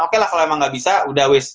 oke lah kalau emang gak bisa udah wis